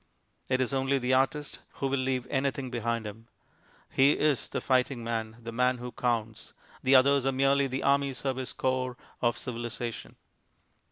It is only the artist who will leave anything behind him. He is the fighting man, the man who counts; the others are merely the Army Service Corps of civilization.